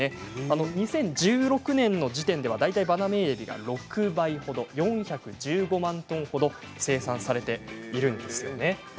２０１６年の時点ではバナメイエビが６倍ほど４１５万トンほど生産されているんですね。